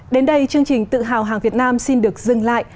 đến đây chương trình tự hào hàng việt nam xin được dừng lại